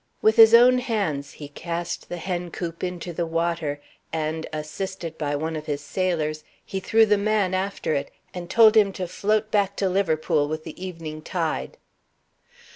With his own hands he cast the hen coop into the water, and (assisted by one of his sailors) he threw the man after it, and told him to float back to Liverpool with the evening tide."